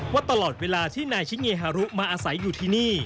ว่าตลอดเวลาที่นายชิเงฮารุมาอาศัยอยู่ที่นี่